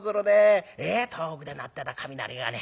遠くで鳴ってた雷がね